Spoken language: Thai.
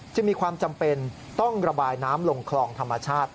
จึงมีความจำเป็นต้องระบายน้ำลงคลองธรรมชาติ